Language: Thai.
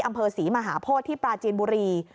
อำเภอศรีมหาโพธิที่ปราจีนบุรี